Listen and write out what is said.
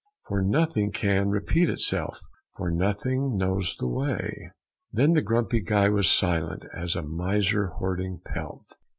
For nothing can repeat itself, for nothing knows the way." Then the Grumpy Guy was silent as a miser hoarding pelf.